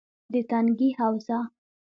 - د تنگي حوزه: